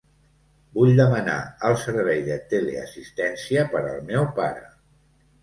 Vull demanar el servei de teleassistència per al meu pare.